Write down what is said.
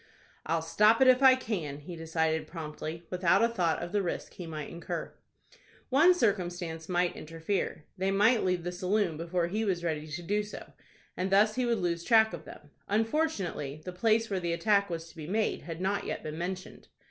"I'll stop it if I can," he decided, promptly, without a thought of the risk he might incur. One circumstance might interfere: they might leave the saloon before he was ready to do so, and thus he would lose track of them. Unfortunately, the place where the attack was to be made had not yet been mentioned.